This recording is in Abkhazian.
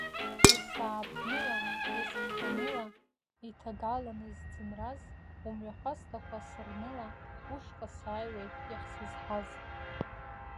Ес-ааԥныла, ес-ԥханыла, иҭагаланыз, ӡынраз, умҩахәасҭақәа сырныла, Ушҟа сааиуеит, иахьсызҳаз.